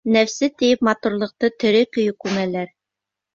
Нәфсе тиеп, матурлыҡты тере көйө күмәләр!